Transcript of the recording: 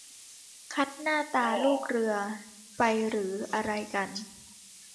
คัดหน้าตาลูกเรือไปหรืออะไรกัน